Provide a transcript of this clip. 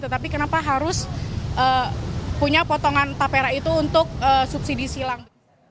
tetapi kenapa harus punya potongan tapera itu untuk subsidi silang